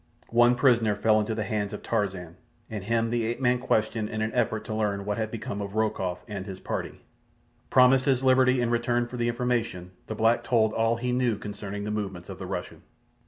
One prisoner fell into the hands of Tarzan, and him the ape man questioned in an effort to learn what had become of Rokoff and his party. Promised his liberty in return for the information, the black told all he knew concerning the movements of the Russian.